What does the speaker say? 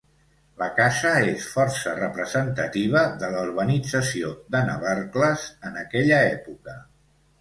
La casa és força representativa de la urbanització de Navarcles en aquella època.